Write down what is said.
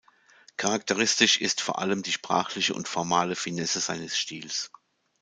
Charakteristisch ist vor allem die sprachliche und formale Finesse seines Stils.